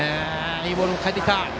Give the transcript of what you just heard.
いいボール返ってきた。